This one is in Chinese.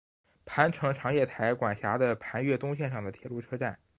磐城常叶站管辖的磐越东线上的铁路车站。